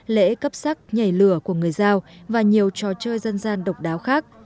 lễ cấp sắc nhảy lửa của người giao và nhiều trò chơi dân gian độc đáo khác